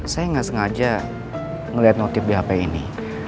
saya nggak sengaja ngeliat notif di hp ini